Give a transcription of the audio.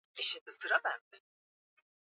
tafsiri nyingi Sijapata kuona nchi yetu ikimpokea